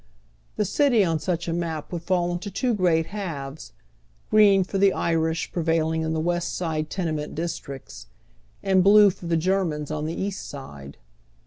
The city on such a map would fall into two great Iialvee, gi'een for the Irish prevailing in the West Side tenement districts, and blue for the Germans on the East Side.